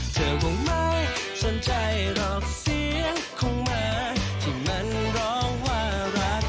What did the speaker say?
เธอคงไม่สนใจหรอกเสียงของแม่ที่มันร้องว่ารัก